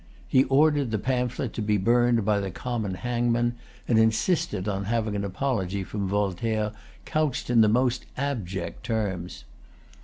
He ordered the pamphlet to be burned by the common hangman, and insisted upon having an apology from Voltaire, couched in the most abject terms.